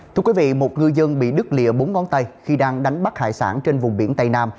thưa quý vị một ngư dân bị đứt lìa bốn ngón tay khi đang đánh bắt hải sản trên vùng biển tây nam